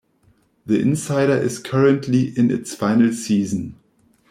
"The Insider" is currently in its final season.